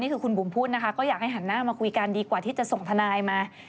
คุณบุ๋มพูดนะคะก็อยากให้หันหน้ามาคุยกันดีกว่าที่จะส่งทนายมา